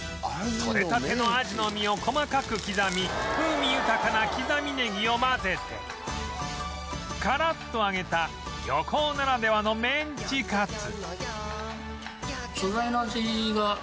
とれたてのアジの身を細かく刻み風味豊かな刻みネギを混ぜてカラッと揚げた漁港ならではのメンチカツ